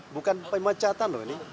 bukan pemecatan loh ini